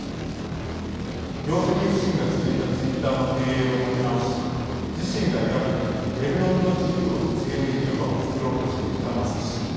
業績不振が続いたツイッターの経営を立て直し自身が描く言論の自由を実現できる場を作ろうとしてきたマスク氏。